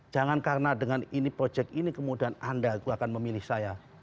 jangan karena dengan ini proyek ini kemudian anda akan memilih saya